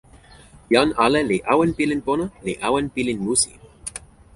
jan ale li awen pilin pona, li awen pilin musi.